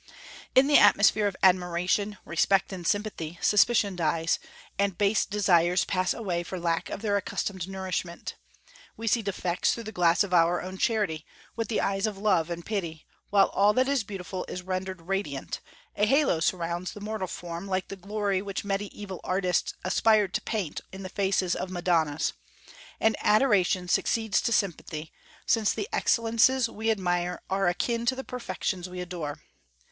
In the atmosphere of admiration, respect, and sympathy suspicion dies, and base desires pass away for lack of their accustomed nourishment; we see defects through the glass of our own charity, with eyes of love and pity, while all that is beautiful is rendered radiant; a halo surrounds the mortal form, like the glory which mediaeval artists aspired to paint in the faces of Madonnas; and adoration succeeds to sympathy, since the excellences we admire are akin to the perfections we adore.